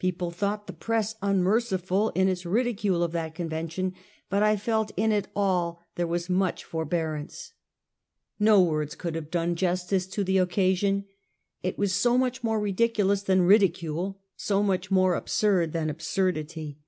People thought the press unmerciful in its ridicule of that convention, but I felt in it all there was much forbearance. 'No words could have done justice to the occasion. It was so much more ridiculous than ridi cule, so much more absurd than absurdity.